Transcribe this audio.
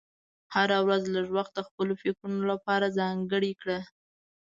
هره ورځ لږ وخت د خپلو فکرونو لپاره ځانګړی کړه.